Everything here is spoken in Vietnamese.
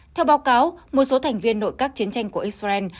theo báo cáo một số thành viên nội các chiến tranh của israel